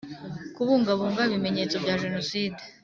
Kubungabunga ibimenyetso bya Jenoside